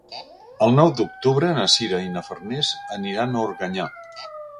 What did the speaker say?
El nou d'octubre na Sira i na Farners aniran a Organyà.